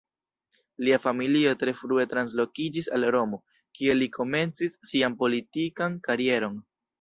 Lia familio tre frue translokiĝis al Romo, kie li komencis sian politikan karieron.